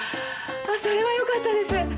それはよかったです！